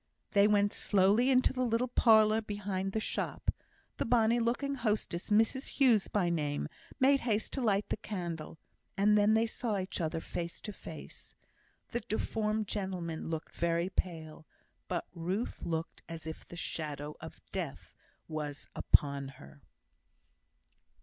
They went slowly into the little parlour behind the shop. The bonny looking hostess, Mrs Hughes by name, made haste to light the candle, and then they saw each other, face to face. The deformed gentleman looked very pale, but Ruth looked as if the shadow of death was upon her.